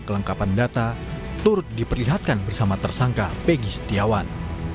kelengkapan data turut diperlihatkan bersama tersangka pegi setiawan